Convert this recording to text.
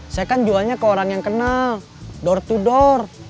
saya kan jualnya ke orang yang kenal door to door